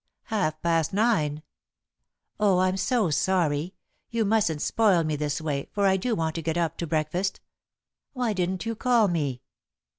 "Half past nine." "Oh, I'm so sorry! You mustn't spoil me this way, for I do want to get up to breakfast. Why didn't you call me?"